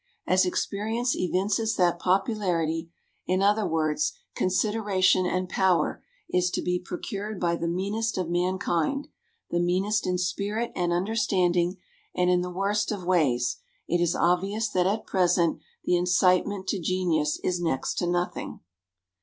As experience evinces that popularity in other words, consideration and power is to be procured by the meanest of mankind, the meanest in spirit and understanding, and in the worst of ways, it is obvious that at present the incitement to genius is next to nothing."